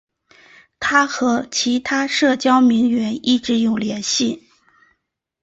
她和其他社交名媛一直有联系。